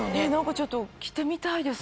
ちょっと着てみたいです。